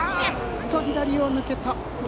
左を抜けた。